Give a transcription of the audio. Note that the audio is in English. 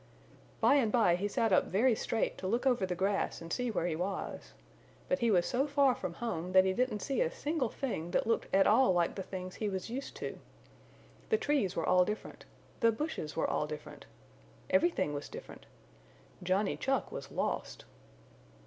By and by he sat up very straight to look over the grass and see where he was. But he was so far from home that he didn't see a single thing that looked at all like the things he was used to. The trees were all different. The bushes were all different. Everything was different. Johnny Chuck was lost.